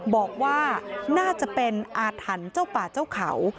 บอกว่าน่าจะเป็นอาถรรพ์เจ้าป่าเจ้าเขา